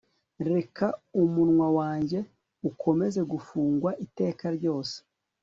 reka umunwa wanjye ukomeze gufungwa iteka ryose